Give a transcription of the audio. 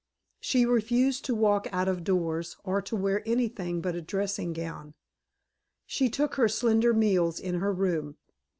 She refused to walk out of doors or to wear anything but a dressing gown; she took her slender meals in her room.